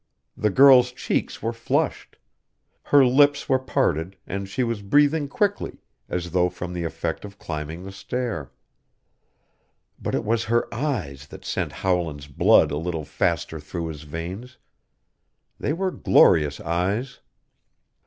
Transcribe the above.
The girl's cheeks were flushed. Her lips were parted, and she was breathing quickly, as though from the effect of climbing the stair. But it was her eyes that sent Howland's blood a little faster through his veins. They were glorious eyes.